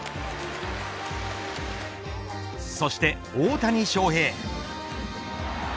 そして大谷翔平。